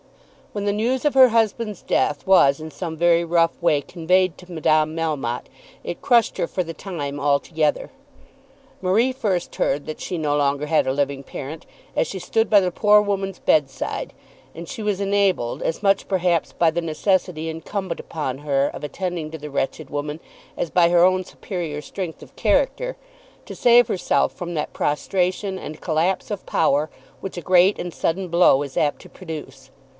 When the news of her husband's death was in some very rough way conveyed to Madame Melmotte, it crushed her for the time altogether. Marie first heard that she no longer had a living parent as she stood by the poor woman's bedside, and she was enabled, as much perhaps by the necessity incumbent upon her of attending to the wretched woman as by her own superior strength of character, to save herself from that prostration and collapse of power which a great and sudden blow is apt to produce.